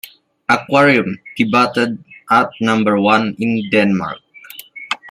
"Aquarium" debuted at number one in Denmark.